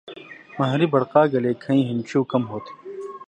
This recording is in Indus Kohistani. مہری بڑقا گلے کھیَیں ہِن ڇھیُو کم ہوتھی۔